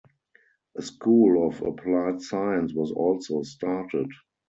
A school of applied science was also started.